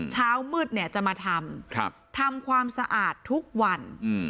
เช้ามืดเนี่ยจะมาทำทำความสะอาดทุกวัน